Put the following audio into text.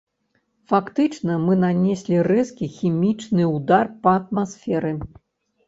Фактычна мы нанеслі рэзкі хімічны ўдар па атмасферы.